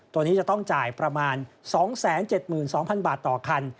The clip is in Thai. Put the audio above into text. ตัวนี้จะต้องจ่ายประมาณ๒๗๒๐๐๐บาทต่อคัน